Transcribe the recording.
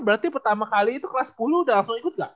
berarti pertama kali itu kelas sepuluh udah langsung ikut gak